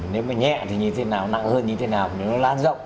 nếu mà nhẹ thì như thế nào nặng hơn như thế nào thì nó lan rộng